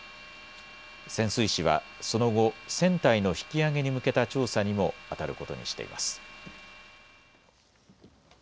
潜水士はその後、船体の引き揚げに向けた調査にもあたることにしています。